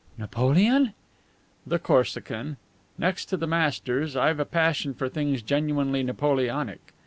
"Napoleon?" "The Corsican. Next to the masters, I've a passion for things genuinely Napoleonic.